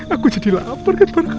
aku jadi lapar kan bara